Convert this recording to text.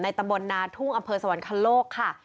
ตำบลนาทุ่งอำเภอสวรรคโลกค่ะ